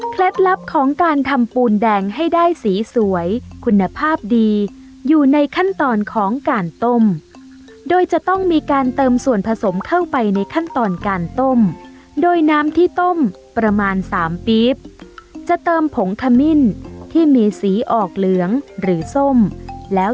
ลับของการทำปูนแดงให้ได้สีสวยคุณภาพดีอยู่ในขั้นตอนของการต้มโดยจะต้องมีการเติมส่วนผสมเข้าไปในขั้นตอนการต้มโดยน้ำที่ต้มประมาณ๓ปีจะเติมผงขมิ้นที่มีสีออกเหลืองหรือส้มแล้ว